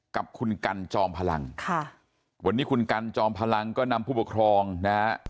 กับคุณกันจอมพลังค่ะวันนี้คุณกันจอมพลังก็นำผู้ปกครองนะฮะ